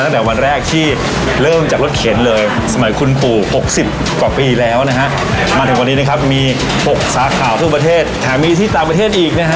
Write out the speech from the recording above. ตั้งแต่วันแรกที่เริ่มจากรถเข็นเลยสมัยคุณปู่๖๐กว่าปีแล้วนะฮะมาถึงวันนี้นะครับมี๖สาขาทั่วประเทศแถมมีที่ต่างประเทศอีกนะฮะ